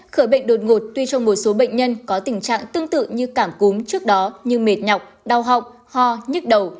khỏi bệnh đột ngột tuy trong một số bệnh nhân có tình trạng tương tự như cảm cúm trước đó như mệt nhọc đau họng ho nhức đầu